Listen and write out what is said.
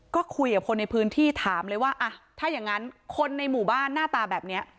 ก็คุยกับคนในพื้นที่ถามเลยว่าอ่ะถ้าอย่างนั้นคนในหมู่บ้านหน้าตาแบบนี้